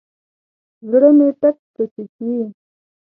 زړه مې ټک پسې چوي.